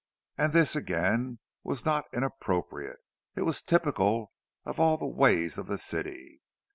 And this, again, was not inappropriate—it was typical of all the ways of the city.